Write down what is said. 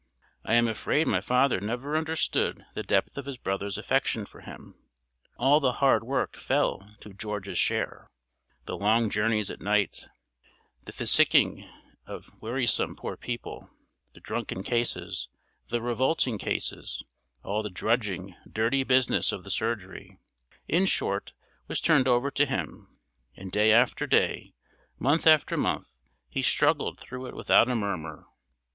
I am afraid my father never understood the depth of his brother's affection for him. All the hard work fell to George's share: the long journeys at night, the physicking of wearisome poor people, the drunken cases, the revolting cases all the drudging, dirty business of the surgery, in short, was turned over to him; and day after day, month after month, he struggled through it without a murmur.